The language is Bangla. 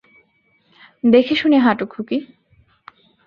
দেখেশুনে হাটো, খুকী!